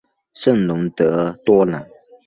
圣龙德多朗。